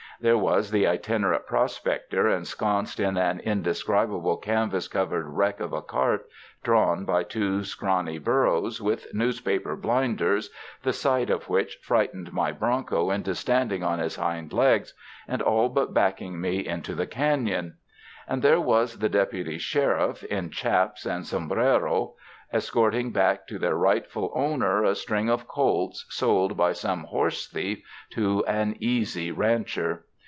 There was the itinerant prospector ensconced in an indescrib able canvas covered wreck of a cart, drawn by two scrawny burros with newspaper blinders, the sight of which frightened my bronco into standing on his hind legs and all but backing me into the caiion; and there was the deputy sheriff in chaps and som brero, escorting back to their rightful owner a 170 THE FRANCISCAN MISSIONS string of colts sold by some horse thief to an ''easy" rancher.